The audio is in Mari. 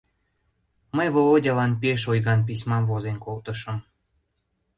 Мый Володялан пеш ойган письмам возен колтышым.